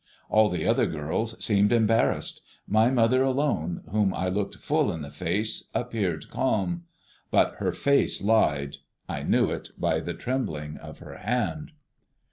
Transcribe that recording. All the other girls seemed embarrassed. My mother alone, whom I looked full in the face, appeared calm; but her face lied, I knew it by the trembling of her hand.